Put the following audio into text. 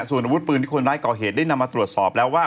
ส่วนอาวุธปืนที่คนร้ายก่อเหตุได้นำมาตรวจสอบแล้วว่า